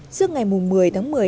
trước ngày một mươi tháng một mươi